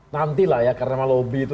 nanti lah ya karena lobby itu